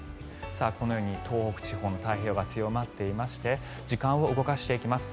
このように東北地方の太平洋側強まっていまして時間を動かしていきます。